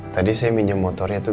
tadi saya minjem motornya tuh